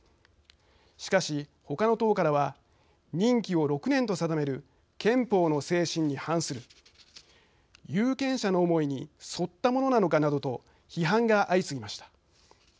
しかしほかの党からは任期を６年と定める憲法の精神に反する有権者の思いに沿ったものなのかなどと批判が相次ぎました。